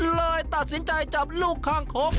เลยตัดสินใจจับลูกข้างคก